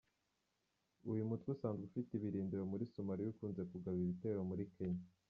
Uyu mutwe usanzwe ufite ibirindiro muri Somalia ukunze kugaba ibitero muri Kenya.